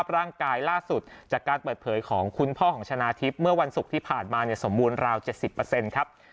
ร่างกายล่าสุดจากการเปิดเผยของคุณพ่อของชนะทิพย์เมื่อวันศุกร์ที่ผ่านมาสมบูรณราว๗๐ครับ